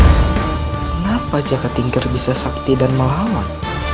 kenapa jaket tinker bisa sakti dan melawan